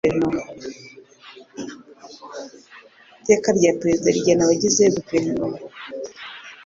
iteka rya perezida rigena abagize guverinoma